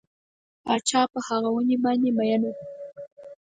پاچا په هغه ونې باندې مین شو.